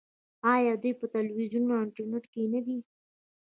آیا دوی په تلویزیون او انټرنیټ کې نه دي؟